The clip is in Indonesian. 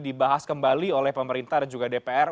dibahas kembali oleh pemerintah dan juga dpr